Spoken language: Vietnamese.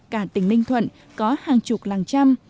cả tỉnh ninh thuận có hàng chục làng trăm